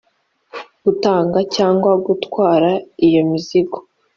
gutanga cyangwa gutwara iyo mizigo